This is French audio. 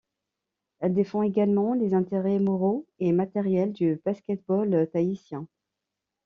Elle défend également les intérêts moraux et matériels du basket-ball tahitien.